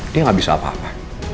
dia nggak bisa apa apa